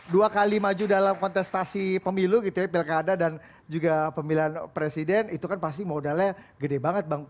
dua kali maju dalam kontestasi pemilu gitu ya pilkada dan juga pemilihan presiden itu kan pasti modalnya gede banget bang